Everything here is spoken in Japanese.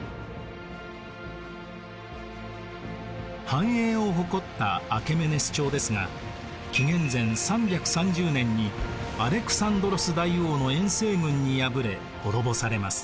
繁栄を誇ったアケメネス朝ですが紀元前３３０年にアレクサンドロス大王の遠征軍に敗れ滅ぼされます。